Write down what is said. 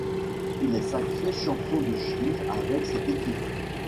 Il est sacré champion de Chine avec cette équipe.